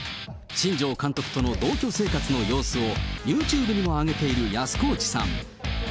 新庄監督との同居生活の様子を、ユーチューブにも上げている安河内さん。